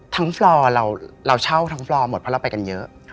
ฟลอร์เราเช่าทั้งฟลอร์หมดเพราะเราไปกันเยอะ